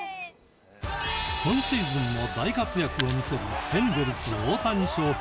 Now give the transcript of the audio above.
今シーズンも大活躍を見せる、エンゼルスの大谷翔平。